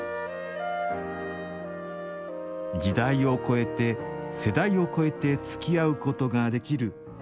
時代を超えて、世代を越えてつきあうことができる。